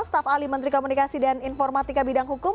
staf ahli menteri komunikasi dan informatika bidang hukum